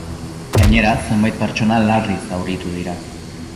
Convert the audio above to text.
Gainera, zenbait pertsona larri zauritu dira.